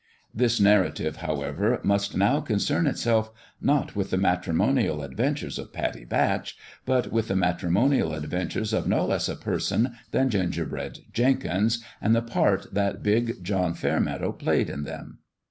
This narrative, however, must now concern itself, not with the matrimonial adventures of Pattie Batch, but with the matrimonial adventures of no less a person than Gingerbread Jenkins, and the part that big John Fairmeadow played in them.